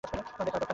দেখার দরকার নেই।